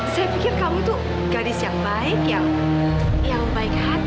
saya pikir kamu tuh gadis yang baik yang baik hati